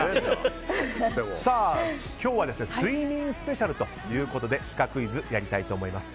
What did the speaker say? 今日は睡眠スペシャルということでシカクイズをやりたいと思います。